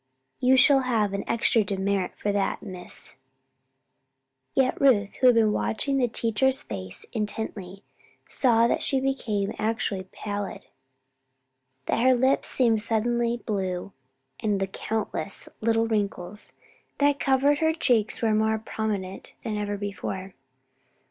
"You shall have an extra demerit for that, Miss!" Yet Ruth, who had been watching the teacher's face intently, saw that she became actually pallid, that her lips seemed to be suddenly blue, and the countless little wrinkles that covered her cheeks were more prominent than ever before.